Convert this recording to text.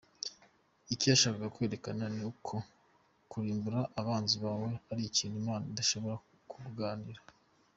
Icyo yashakaga kwerekana ni uko kurimbura abanzi bawe ari ikintu Imana idashobora kuguhanira.